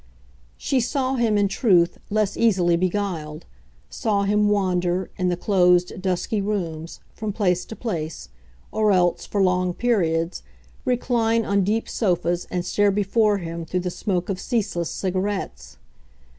She saw him, in truth, less easily beguiled saw him wander, in the closed dusky rooms, from place to place, or else, for long periods, recline on deep sofas and stare before him through the smoke of ceaseless cigarettes.